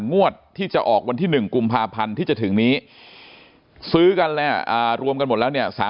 งวดที่จะออกวันที่๑กุมภาพันธ์ที่จะถึงนี้ซื้อกันรวมกันหมดแล้วเนี่ย